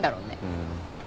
うん。